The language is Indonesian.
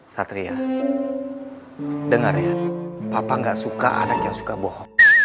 satria dengar ya papa gak suka anak yang suka bohong